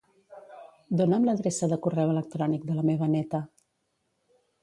Dona'm l'adreça de correu electrònic de la meva neta.